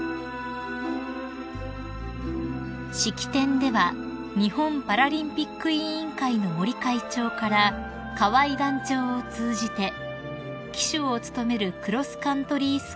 ［式典では日本パラリンピック委員会の森会長から河合団長を通じて旗手を務めるクロスカントリー